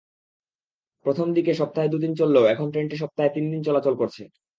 প্রথম দিকে সপ্তাহে দুদিন চললেও এখন ট্রেনটি সপ্তাহে তিন দিন চলাচল করছে।